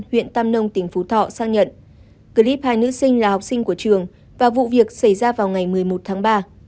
huyện tam nông tỉnh phú thọ xác nhận clip hai nữ sinh là học sinh của trường và vụ việc xảy ra vào ngày một mươi một tháng ba